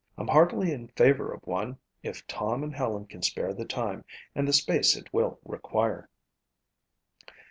"I'm heartily in favor of one if Tom and Helen can spare the time and the space it will require."